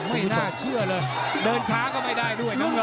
ไม่น่าเชื่อเลยเดินช้าก็ไม่ได้ด้วยน้ำเงิน